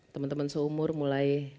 temen temen seumur mulai